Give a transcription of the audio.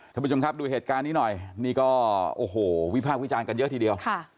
ท่านผู้ชมครับดูเหตุการณ์นี้หน่อยนี่ก็โอ้โหวิพากษ์วิจารณ์กันเยอะทีเดียว